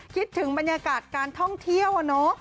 คิดถึงบรรยากาศการท่องเที่ยวอะเนาะ